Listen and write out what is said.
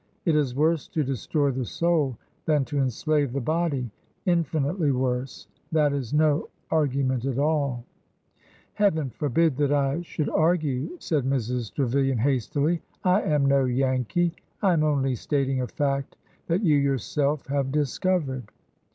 It is worse to destroy the soul than to enslave the body, — in finitely worse ! That is no argument at all !"" Heaven forbid that I should argue! " said Mrs. Tre vilian, hastily. " I am no Yankee! I am only stating a fact that you yourself have discovered."